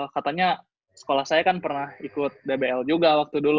katanya sekolah saya kan pernah ikut dbl juga waktu dulu